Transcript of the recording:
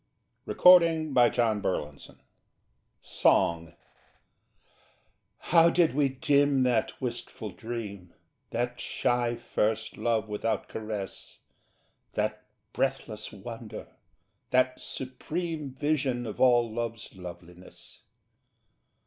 From the French of Ronsard Song How did we dim that wistful dream, That shy first love without caress, That breathless wonder, that supreme Vision of all love's loveliness?